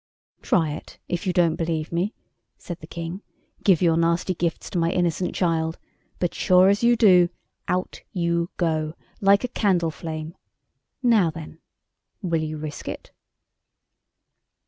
"Try it, if you don't believe me," said the King; "give your nasty gifts to my innocent child—but as sure as you do, out you go, like a candle flame. Now, then, will you risk it?"